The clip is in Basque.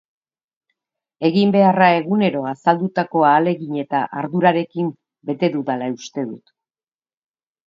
Eginbeharra egunero azaldutako ahalegin eta ardurarekin bete dudala uste dut.